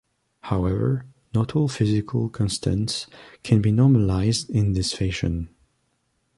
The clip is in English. However, not all physical constants can be normalized in this fashion.